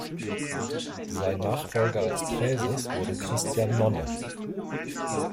Sein Nachfolger als Präses wurde Christian Nonne.